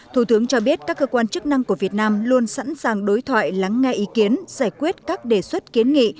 thủ tướng cho biết các cơ quan chức năng của việt nam luôn sẵn sàng đối thoại lắng nghe ý kiến giải quyết các đề xuất kiến nghị